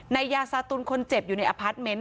นายาศาตุลคนเจ็บอยู่ในอภัทรเมนท์